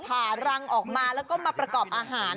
ผ่ารังออกมาแล้วก็มาประกอบอาหาร